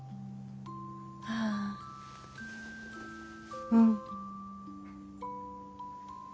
ああうん。